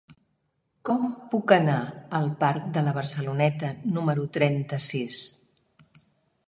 Com puc anar al parc de la Barceloneta número trenta-sis?